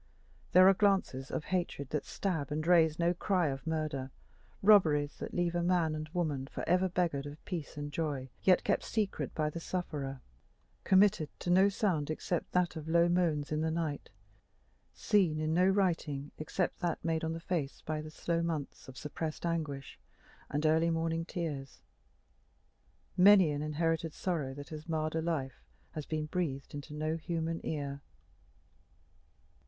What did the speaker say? There are glances of hatred that stab and raise no cry of murder; robberies that leave man or woman forever beggared of peace and joy, yet kept secret by the sufferer committed to no sound except that of low moans in the night, seen in no writing except that made on the face by the slow months of suppressed anguish and early morning tears. Many an inherited sorrow that has marred a life has been breathed into no human ear.